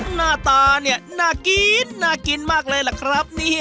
หน้าตานี่น่ากินน่ากินมากเลยล่ะครับ